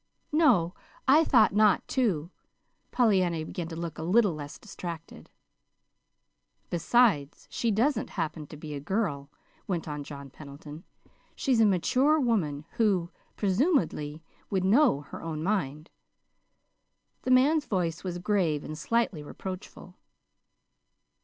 "No, I thought not, too." Pollyanna began to look a little less distracted. "Besides, she doesn't happen to be a girl," went on John Pendleton. "She's a mature woman who, presumedly, would know her own mind." The man's voice was grave and slightly reproachful.